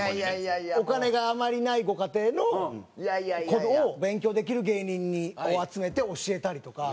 お金があまりないご家庭の子を勉強できる芸人を集めて教えたりとか。